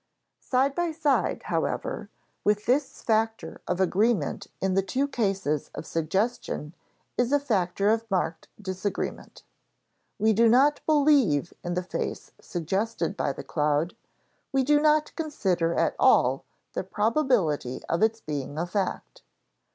Side by side, however, with this factor of agreement in the two cases of suggestion is a factor of marked disagreement. We do not believe in the face suggested by the cloud; we do not consider at all the probability of its being a fact.